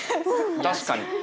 確かに。